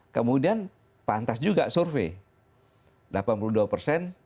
kemudian pantas juga survei